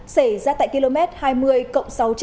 xảy ra tại km hai mươi cộng sáu trăm linh